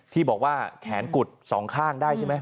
ที่บอกว่าแขนกุดสองข้างได้ใช่ไหม